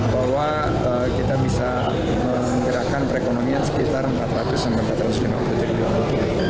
bahwa kita bisa menggerakkan perekonomian sekitar empat ratus empat ratus lima puluh triliun